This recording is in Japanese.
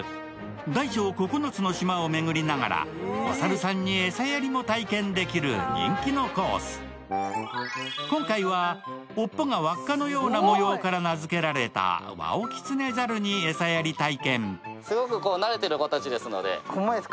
大小９つの島を巡りながら、お猿さんに餌やりも体験できる人気のコース、今回は尾っぽが輪っかのような模様から名付けられたワオキツネザルに餌やり体験。